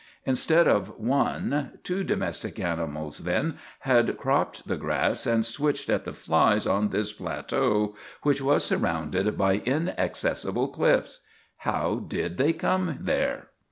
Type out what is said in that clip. Instead of one, two domestic animals, then, had cropped the grass and switched at the flies on this plateau which was surrounded by inaccessible cliffs. How did they come there?